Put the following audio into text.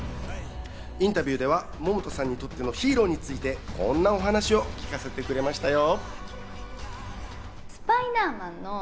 インタビューでは百田さんにとってのヒーローについてこんなお話を聞かせてくれましたよ。